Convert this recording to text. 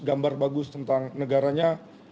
gambar bagus tentang negaranya